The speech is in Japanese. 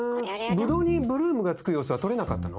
ブドウにブルームが付く様子は撮れなかったの？